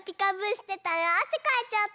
してたらあせかいちゃった。